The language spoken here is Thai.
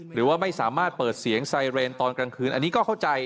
หรือว่าไม่สามารถเปิดเสียงไซเรนตอนกลางคืนอันนี้ก็เข้าใจ